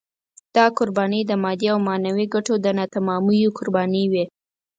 دا قربانۍ د مادي او معنوي ګټو د ناتمامیو قربانۍ وې.